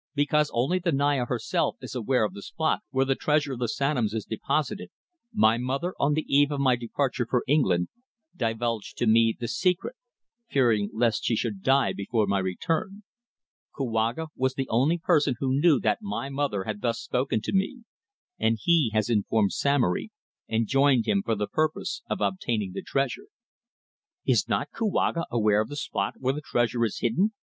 Because only the Naya herself is aware of the spot where the treasure of the Sanoms is deposited, my mother, on the eve of my departure for England, divulged to me the secret, fearing lest she should die before my return. Kouaga was the only person who knew that my mother had thus spoken to me, and he has informed Samory and joined him for the purpose of obtaining the treasure." "Is not Kouaga aware of the spot where the treasure is hidden?"